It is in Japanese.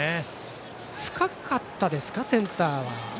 深かったですかセンターは。